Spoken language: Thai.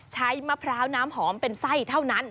มะพร้าวน้ำหอมเป็นไส้เท่านั้น